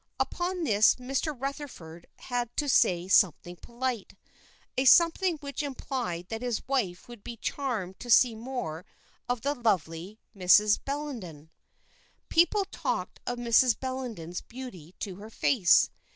Upon this Mr. Rutherford had to say something polite, a something which implied that his wife would be charmed to see more of the lovely Mrs. Bellenden. People talked of Mrs. Bellenden's beauty to her face.